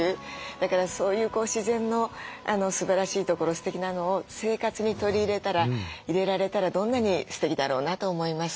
だからそういう自然のすばらしいところすてきなのを生活に取り入れられたらどんなにすてきだろうなと思います。